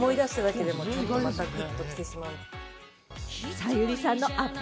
さゆりさんのアップ